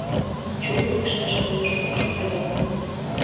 Чон лекшаш гае шокшо ыле...